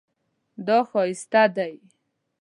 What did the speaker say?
دا ښایسته دی